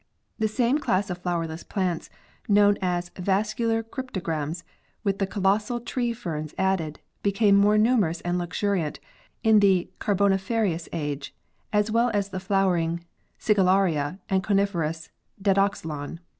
The same class of flowerless plants known as vascular crypto gams, with the colossal tree ferns added, became more numerous and luxuriant in the Carboniferous age, as well as the flowering Sigillaria and coniferous Dadoxylon.